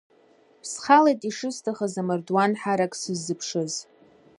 Схалеит ишысҭахыз амардуан ҳарак сыззыԥшыз.